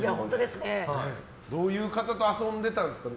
どういう方と遊んでいたんですか。